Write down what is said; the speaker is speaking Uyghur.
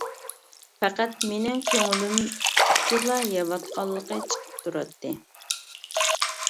پەقەت مېنىڭ كۆڭلۈم ئۈچۈنلا يەۋاتقانلىقى چىقىپ تۇراتتى.